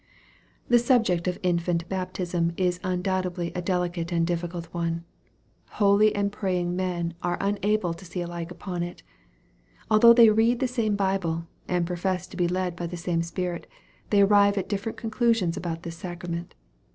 The subject of infant baptism is undoubtedly a delicate and difficult one. Holy and praying men are unable to see alike upon it. Although they read the same Bible, and profess to be led by the same Spirit, they arrive at diiferent conclusions about this sacrament.